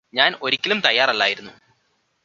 ഞാന് ഒരിക്കലും തയ്യാറല്ലായിരുന്നു